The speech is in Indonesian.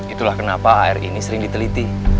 itulah kenapa ar ini sering diteliti